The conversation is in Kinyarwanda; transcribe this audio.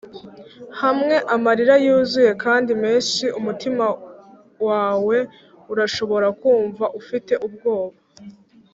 hamwe amarira yuzuye kandi menshi, umutima wawe urashobora kumva ufite ubwoba.